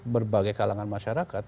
berbagai kalangan masyarakat